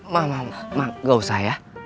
ma ma ma gak usah ya